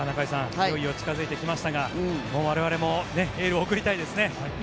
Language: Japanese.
いよいよ近付いてきましたが我々もエールを送りたいですね。